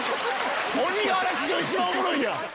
鬼瓦史上一番おもろいやん！